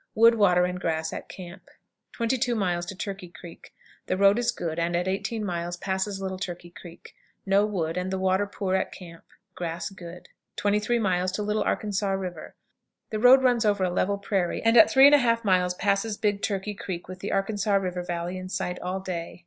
Wood, water, and grass at camp. 22. Turkey Creek. The road is good, and at 18 miles passes Little Turkey Creek. No wood, and the water poor at camp; grass good. 23. Little Arkansas River. The road runs over a level prairie, and at 3 1/2 miles passes "Big Turkey Creek," with the Arkansas River Valley in sight all day.